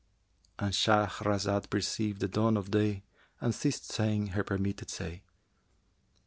'"—And Shahrazad perceived the dawn of day and ceased saying her permitted say.